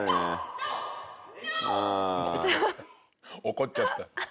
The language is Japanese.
怒っちゃった。